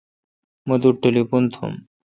مہ توٹھ ٹلیفون تھوم۔